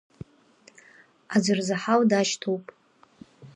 Аӡә арзаҳал дашьҭоуп.